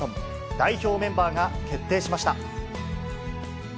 代表メンバーが決定しました。